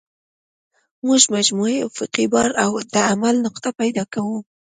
موږ مجموعي افقي بار او د عمل نقطه پیدا کوو